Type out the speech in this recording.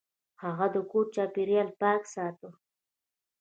هغه د کور چاپیریال پاک ساته.